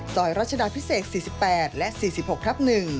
รัชดาพิเศษ๔๘และ๔๖ทับ๑